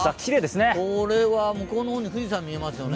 これは、向こうの方に富士山見えますね。